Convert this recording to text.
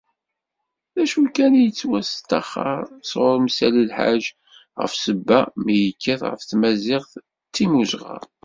D acu kan, yettwasṭaxxer sɣur Messali Ḥaǧ, ɣef ssebba mi yekkat ɣef tmaziɣt d timmuzɣa.